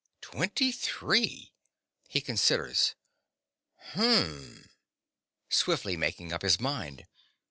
Twenty three!! (He considers.) Hm! (_Swiftly making up his mind.